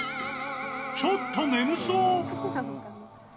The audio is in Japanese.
ちょっと眠そう。